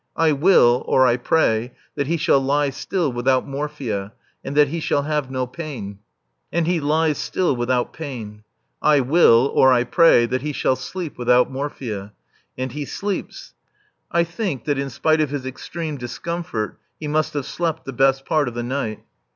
I will or I pray that he shall lie still without morphia, and that he shall have no pain. And he lies still, without pain. I will or I pray that he shall sleep without morphia. And he sleeps (I think that in spite of his extreme discomfort, he must have slept the best part of the night).